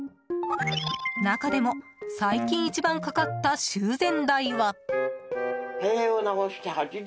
中でも最近一番かかった修繕代は。